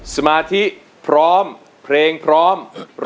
สมาธิพร้อม